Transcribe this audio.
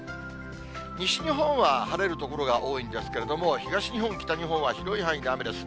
西日本は晴れる所が多いんですけれども、東日本、北日本は広い範囲で雨です。